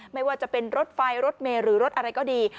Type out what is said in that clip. ไม่ว่าจะเป็นรถไฟรถเมย์หรือรถอะไรก็ดี